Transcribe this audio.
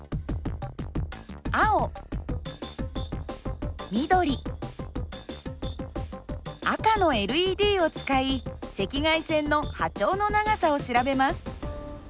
青緑赤のＬＥＤを使い赤外線の波長の長さを調べます。